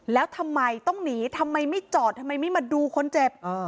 แล้วทำไมต้องหนีทำไมไม่จอดทำไมไม่มาดูคนเจ็บ